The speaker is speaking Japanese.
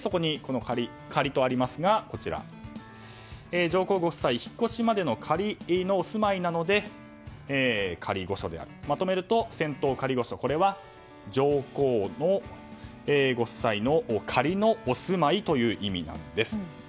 そこに仮とありますが上皇ご夫妻、引っ越しまでの仮のお住まいなので仮御所であると。まとめると、仙洞仮御所これは上皇ご夫妻の仮のお住まいという意味なんです。